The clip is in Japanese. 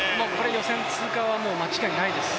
予選通過は間違いないです。